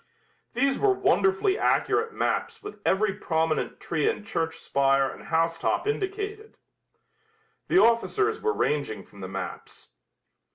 These were wonderfully accurate maps with every prominent tree and church spire and house top indicated. The officers were ranging from the maps.